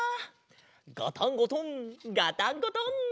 ガタンゴトンガタンゴトン。